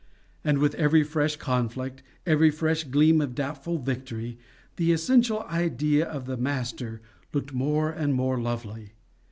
And with every fresh conflict, every fresh gleam of doubtful victory, the essential idea of the master looked more and more lovely.